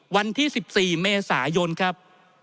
วันที่๑๔เมษายนครับ